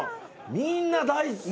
みんな大好き。